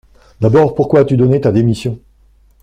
D’abord, pourquoi as-tu donné ta démission ?